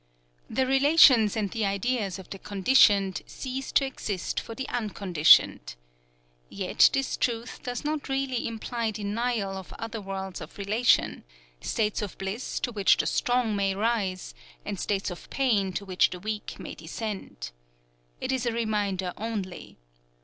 The relations and the ideas of the Conditioned cease to exist for the Unconditioned. Yet this truth does not really imply denial of other worlds of relation, states of bliss to which the strong may rise, and states of pain to which the weak may descend. It is a reminder only.